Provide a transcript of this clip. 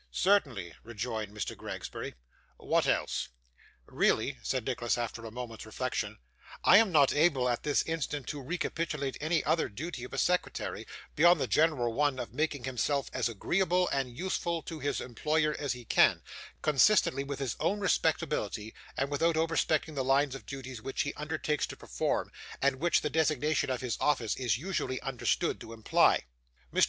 'Certainly,' rejoined Mr. Gregsbury. 'What else?' 'Really,' said Nicholas, after a moment's reflection, 'I am not able, at this instant, to recapitulate any other duty of a secretary, beyond the general one of making himself as agreeable and useful to his employer as he can, consistently with his own respectability, and without overstepping that line of duties which he undertakes to perform, and which the designation of his office is usually understood to imply.' Mr.